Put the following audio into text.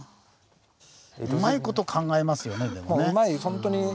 うまいこと考えますよねでもね。